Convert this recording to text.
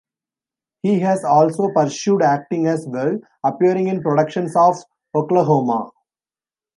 He has also pursued acting as well, appearing in productions of Oklahoma!